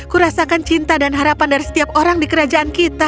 kurasakan cinta dan harapan dari setiap orang di kerajaan kita